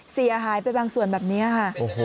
เสียหายไปบางส่วนแบบนี้ค่ะ